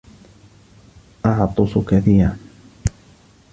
أعطس كثيراً.